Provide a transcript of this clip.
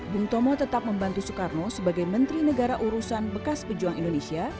bung tomo tetap membantu soekarno sebagai menteri negara urusan bekas pejuang indonesia